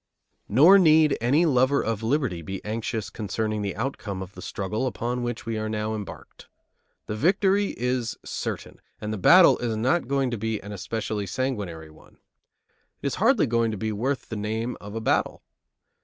Nor need any lover of liberty be anxious concerning the outcome of the struggle upon which we are now embarked. The victory is certain, and the battle is not going to be an especially sanguinary one. It is hardly going to be worth the name of a battle.